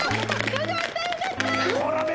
よかったよかった！